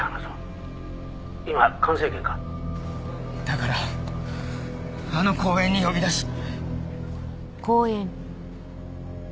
だからあの公園に呼び出し。